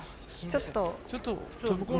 ちょっと。